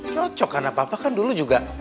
cocok karena papa kan dulu juga